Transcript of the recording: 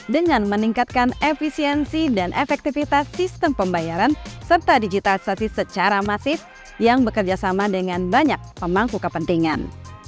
dengan meningkatkan efisiensi dan efektivitas sistem pembayaran serta digitalisasi secara masif yang bekerja sama dengan banyak pemangku kepentingan